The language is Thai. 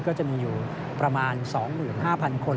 ก็จะมีอยู่ประมาณ๒๕๐๐คน